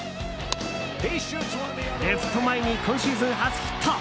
レフト前に今シーズン初ヒット！